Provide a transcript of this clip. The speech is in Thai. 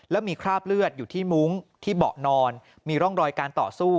แล้วมีคราบเลือดอยู่ที่มุ้งที่เบาะนอนมีร่องรอยการต่อสู้